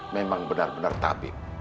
memang benar benar tabib